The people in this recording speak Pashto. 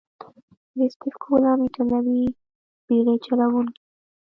کرستف کولمب ایتالوي بیړۍ چلوونکی وو.